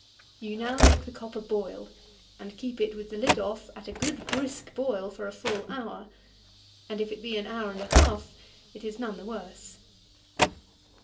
You now make the copper boil, and keep it, with the lid off, at a good brisk boil, for a full hour, and if it be an hour and a half it is none the worse.